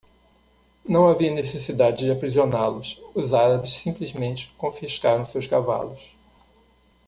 Não havia necessidade de aprisioná-los. Os árabes simplesmente confiscaram seus cavalos.